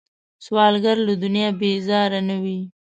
سوالګر له دنیا بیزاره نه وي